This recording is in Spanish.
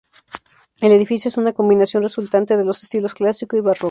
El edificio es una combinación resultante de los estilos clásico y barroco.